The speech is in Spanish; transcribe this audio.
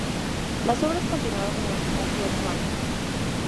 Las obras continuaron durante casi ocho años.